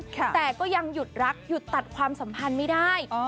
แต่ก็ยังหยุดรักหยุดตัดความสัมพันธ์ไม่ได้